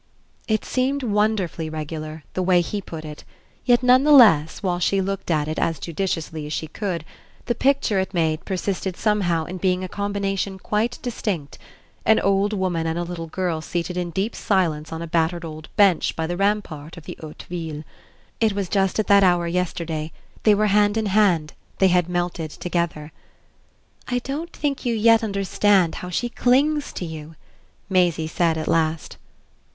It seemed wonderfully regular, the way he put it; yet none the less, while she looked at it as judiciously as she could, the picture it made persisted somehow in being a combination quite distinct an old woman and a little girl seated in deep silence on a battered old bench by the rampart of the haute ville. It was just at that hour yesterday; they were hand in hand; they had melted together. "I don't think you yet understand how she clings to you," Maisie said at last.